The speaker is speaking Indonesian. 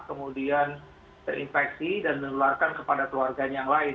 kemudian terinfeksi dan menularkan kepada keluarganya yang lain